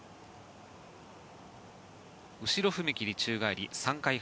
後ろ踏切宙返り３回半。